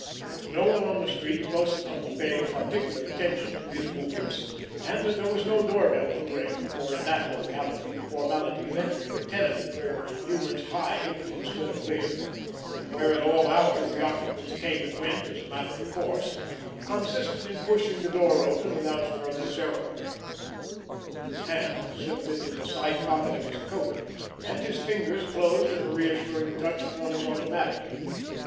There was no one on the street close enough to pay any particular attention to his movements; and there was no doorbell to ring, for in that locality the formality of entering a tenement, where humans hived instead of lived, and where at all hours the occupants came and went as a matter of course, consisted in pushing the door open without further ceremony. His hand slipped into the side pocket of his coat, and his fingers closed in a reassuring touch upon his automatic.